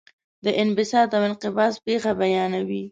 د انبساط او انقباض پېښه بیانوي.